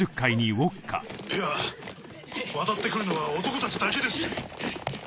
いや渡ってくるのは男たちだけです。